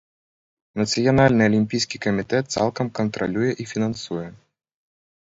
Нацыянальны алімпійскі камітэт цалкам кантралюе і фінансуе.